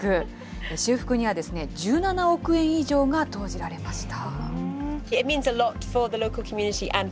修復には１７億円以上が投じられました。